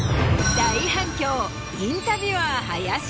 大反響。